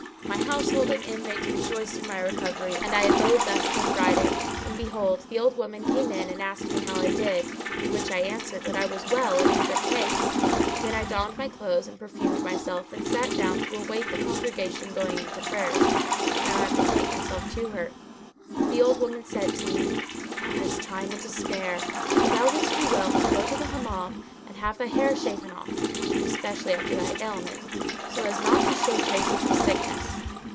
My household and intimates rejoiced in my recovery and I abode thus till Friday, when behold, the old woman came in and asked me how I did, to which I answered that I was well and in good case. Then I donned my clothes and perfumed myself and sat down to await the congregation going in to prayers, that I might betake myself to her. But the old woman said to me, "Thou hast time and to spare: so thou wouldst do well to go to the Hammam and have thy hair shaven off (especially after thy ailment), so as not to show traces of sickness."